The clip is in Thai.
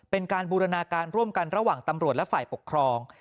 เป็นการบูรณาการร่วมกันระหว่างตำรวจและฝ่ายปกครอง